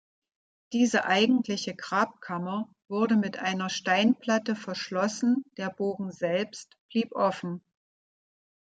Diese eigentliche Grabkammer wurde mit einer Steinplatte verschlossen, der Bogen selbst blieb offen.